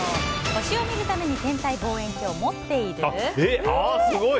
星を見るために天体望遠鏡を持っている？